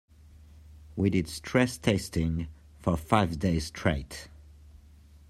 We did stress testing for five days straight.